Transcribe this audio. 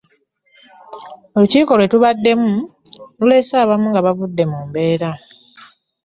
Olukiiko lwe tubademu lulese abamu nga bavudde mu mbeera.